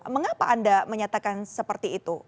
mengapa anda menyatakan seperti itu